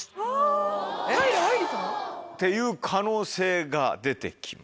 っていう可能性が出て来ました。